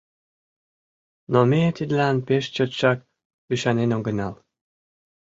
Но ме тидлан пеш чотшак ӱшанен огынал.